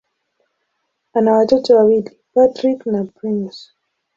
Ana watoto wawili: Patrick na Prince.